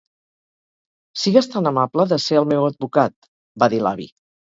"Sigues tan amable de ser el meu advocat", va dir l'avi.